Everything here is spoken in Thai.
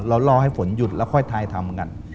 รอให้ฝนหยุดแล้วค่อยทายทำกัน